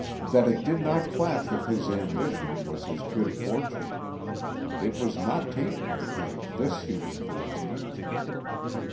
That it did not clash with his ambition was his good fortune. It was not tainted because of this human coincidence.